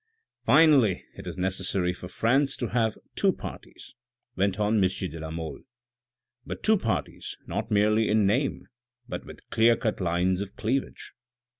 "Finally, it is necessary for France to have two parties," went on M. de la Mole ;" but two parties not merely in name, but with clear cut lines of cleavage.